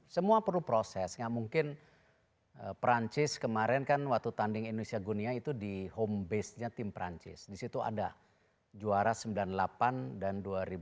semua perlu proses nggak mungkin perancis kemarin kan waktu tanding indonesia gunia itu di home base nya tim perancis disitu ada juara sembilan puluh delapan dan dua ribu enam belas